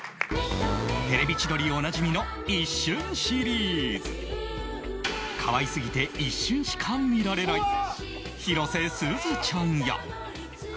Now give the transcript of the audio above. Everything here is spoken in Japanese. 『テレビ千鳥』おなじみの一瞬シリーズ可愛すぎて一瞬しか見られない広瀬すずちゃんや